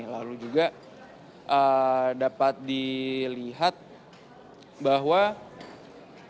lalu juga dapat dilihat bahwa putusan ini tidak terpenuhi